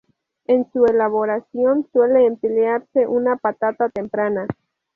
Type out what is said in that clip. En su elaboración suele emplearse una patata temprana.